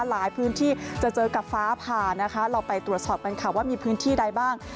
หลายพื้นที่จะเจอกับฟ้าผ่านะคะเราไปตรวจสอบกันค่ะว่ามีพื้นที่ใดบ้าง